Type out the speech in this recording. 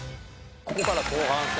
ここから後半戦。